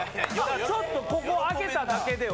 ちょっとここ開けただけでは。